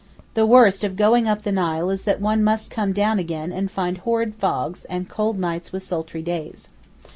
The worst of going up the Nile is that one must come down again and find horrid fogs, and cold nights with sultry days.